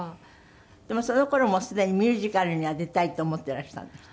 でもその頃もうすでにミュージカルには出たいと思っていらしたんですって？